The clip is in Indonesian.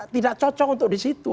tidak cocok untuk disitu